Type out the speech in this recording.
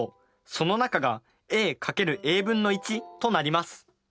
その中がａ×ａ分の１となります。